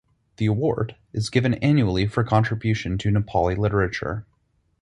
The award is given annually for contribution to Nepali literature.